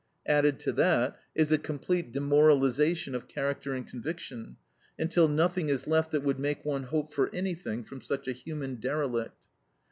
Added to that is a complete demoralization of character and conviction, until nothing is left that would make one hope for anything from such a human derelict.